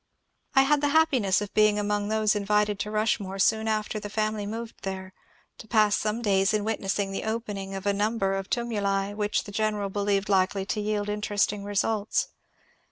I had the happiness of being among those invited to Rush more soon after the family moved there, to pass some days in witnessing the opening of a number of tumuli which the general believed likely to yield interesting results.